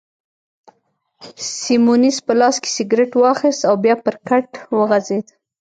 سیمونز په لاس کي سګرېټ واخیست او بیا پر کټ وغځېد.